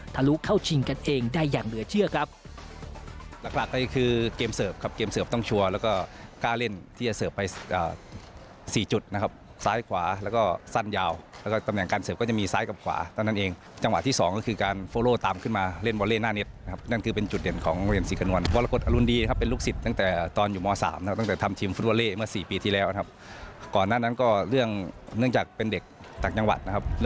ทะลุเข้าชิงกันเองได้อย่างเหลือเชื่อครับ